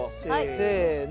せの！